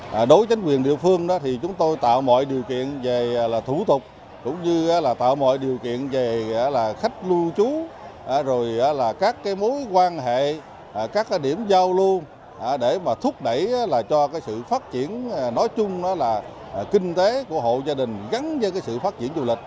đối với chính quyền địa phương chúng tôi tạo mọi điều kiện về thủ tục khách lưu trú các mối quan hệ các điểm giao lưu để thúc đẩy cho sự phát triển kinh tế của hộ gia đình gắn với sự phát triển du lịch